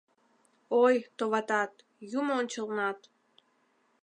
Ой, товатат, юмо ончылнат -